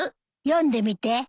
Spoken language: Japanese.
読んでみて。